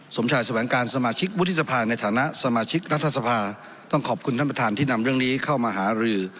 สมชายแสวงการสมาชิกวุฒิสภาในฐานะสมาชิกรัฐสภาต้องขอบคุณท่านประธานที่นำเรื่องนี้เข้ามาหารือ